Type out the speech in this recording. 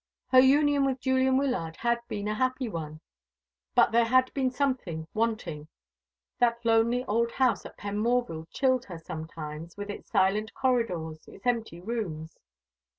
Her union with Julian Wyllard had been a happy one, but there had been something wanting. That lonely old house at Penmorval chilled her sometimes, with its silent corridors, its empty rooms.